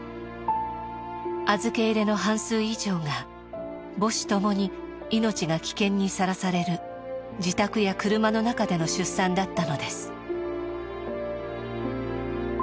預け入れの半数以上が母子共に命が危険にさらされる自宅や車の中での出産だったのです。